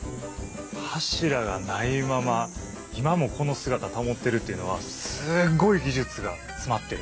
柱がないまま今もこの姿保ってるっていうのはすごい技術が詰まってる。